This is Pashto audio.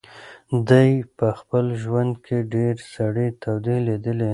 دی په خپل ژوند کې ډېرې سړې تودې لیدلي.